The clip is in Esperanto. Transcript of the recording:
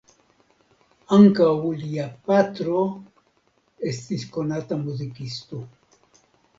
Ankaŭ lia patro estis konata muzikisto.